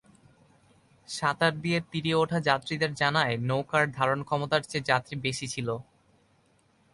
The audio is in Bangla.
সাঁতার দিয়ে তীরে ওঠা যাত্রীরা জানায়, নৌকার ধারণ ক্ষমতার চেয়ে যাত্রী বেশি ছিল।